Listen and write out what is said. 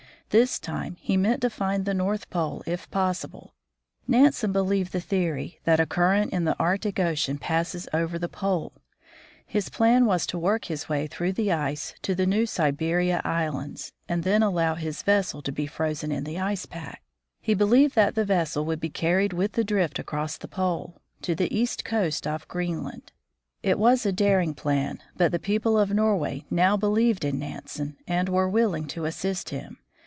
This time he meant to find the North Pole if possible. Nansen believed the theory that a current in the Arctic ocean passes over the pole. His plan was to work his way through the ice to the New Siberia islands, and then allow his vessel to be frozen in the ice pack. He believed that the vessel would be carried with the drift across the pole, to the east coast of Greenland. It was a daring plan, but the people of Norway now believed in Nansen and were willing to assist him.